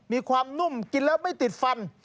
มีความนุ่มกินแล้วไม่ติดฟัน